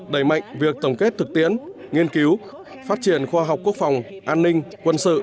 đẩy mạnh việc tổng kết thực tiễn nghiên cứu phát triển khoa học quốc phòng an ninh quân sự